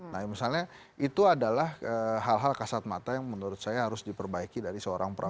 nah misalnya itu adalah hal hal kasat mata yang menurut saya harus diperbaiki dari seorang prabowo